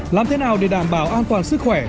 làm thế nào để đảm bảo an toàn sức khỏe